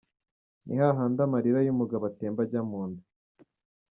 Ni hahandi amarira y’umugabo atemba ajya mu nda.